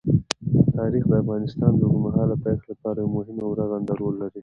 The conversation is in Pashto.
تاریخ د افغانستان د اوږدمهاله پایښت لپاره یو مهم او رغنده رول لري.